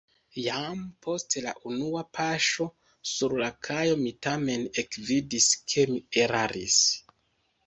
Jam post la unua paŝo sur la kajo mi tamen ekvidis, ke mi eraris.